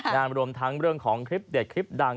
รวมทั้งเรื่องของคลิปเด็ดคลิปดัง